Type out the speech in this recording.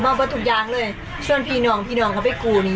อ๋อเจ้าสีสุข่าวของสิ้นพอได้ด้วย